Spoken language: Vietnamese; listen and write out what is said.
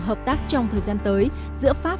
hợp tác trong thời gian tới giữa pháp